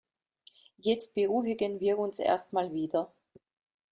Jetzt beruhigen wir uns erst mal wieder.